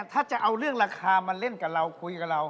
ถ้าจะเอาเรื่องราคามาเล่นกับเราคุยกับเรา